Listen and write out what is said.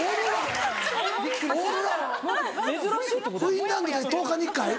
フィンランドでは１０日に１回？